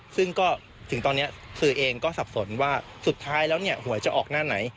ซึ่งก็ถึงตอนนี้สื่อเองก็สับสนว่าสุดท้ายแล้วเนี่ยหวยจะออกหน้าไหน